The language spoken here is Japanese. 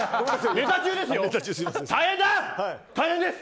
ネタ中ですよ。